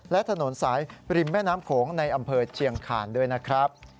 และถนนสายริมแม่น้ำโขงในอำเภอเชียงคานด้วยนะครับ